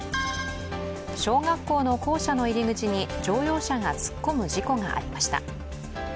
小学校の校舎の入口に乗用車が突っ込む事故がありました。